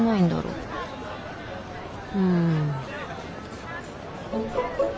うん。